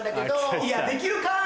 いやできるか！